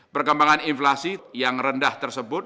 perkembangan inflasi yang rendah tersebut